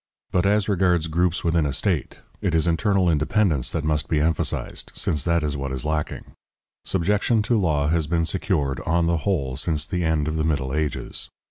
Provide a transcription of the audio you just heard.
But as regards groups within a state, it is internal independence that must be emphasized, since that is what is lacking; subjection to law has been secured, on the whole, since the end of the Middle Ages.